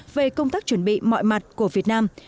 về công tác chuẩn bị mọi mặt của việt nam